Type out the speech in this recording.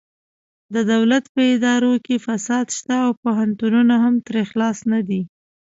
د دولت په ادارو کې فساد شته او پوهنتونونه هم ترې خلاص نه دي